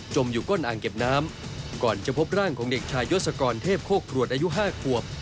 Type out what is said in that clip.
อยู่ก้นอ่างเก็บน้ำก่อนจะพบร่างของเด็กชายศกรเทพโคกรวดอายุ๕ขวบ